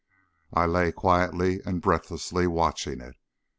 I lay quietly and breathlessly watching it.